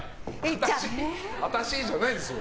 私？じゃないですよ。